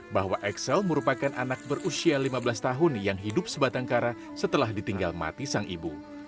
bahwa axel merupakan anak berusia lima belas tahun yang hidup sebatang kara setelah ditinggal mati sang ibu